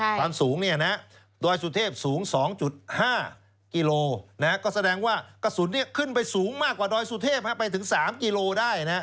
ความสูงเนี่ยนะฮะดอยสุเทพสูง๒๕กิโลนะฮะก็แสดงว่ากระสุนเนี่ยขึ้นไปสูงมากกว่าดอยสุเทพไปถึง๓กิโลได้นะฮะ